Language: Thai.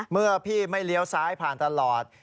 เมื่อพี่ไม่เลี้ยวซ้ายผ่านตลอด